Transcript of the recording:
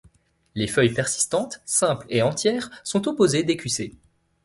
Les feuilles persistantes, simples et entières, sont opposées décussées.